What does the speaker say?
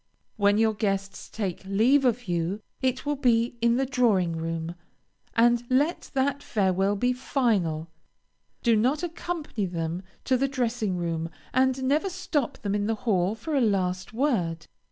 When your guests take leave of you, it will be in the drawing room, and let that farewell be final. Do not accompany them to the dressing room, and never stop them in the hall for a last word.